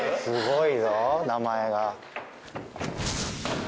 すごいぞ名前が。